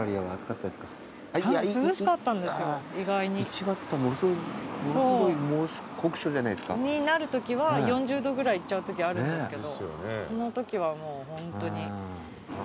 １月ってものすごい酷暑じゃないですか？になるときは４０度ぐらいいっちゃうときあるんですけどそのときはもうホントに。